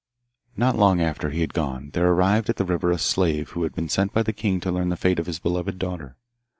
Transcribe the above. Not long after he had gone there arrived at the river a slave who had been sent by the king to learn the fate of his beloved daughter.